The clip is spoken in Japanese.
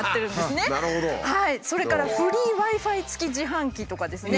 それからフリーＷｉ−Ｆｉ付き自販機とかですね